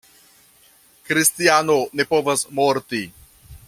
Kristiano ne povas morti.